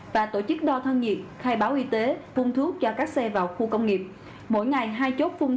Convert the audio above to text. và tổ chức đo thân nhiệt khai báo y tế phun thuốc cho các xe vào khu công nghiệp